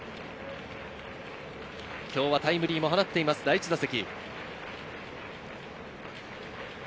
今日はタイムリーも放っています、第１打席。